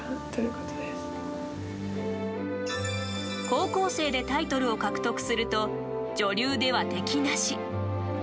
高校生でタイトルを獲得すると女流では敵なし。